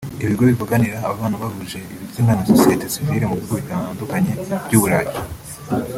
ibigo bivuganira ababana bahuje ibitsina na sosiyete sivile mu bihugu bitandukanye by’u Burayi